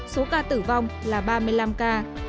số ca tử vong là ba mươi năm ca